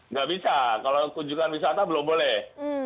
nggak bisa kalau kunjungan wisata belum boleh